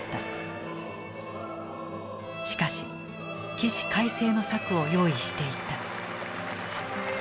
しかし起死回生の策を用意していた。